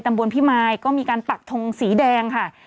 บนพิมายก็มีการปักทงสีแดงค่ะ